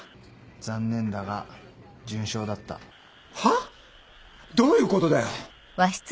残念だが準賞だった。はっ！？どういうことだよ。